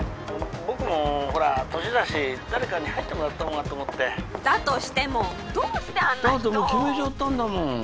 ☎僕もほら年だし誰かに入ってもらった方がと思ってだとしても☎どうしてあんな人だってもう決めちゃったんだもん